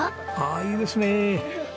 ああいいですね。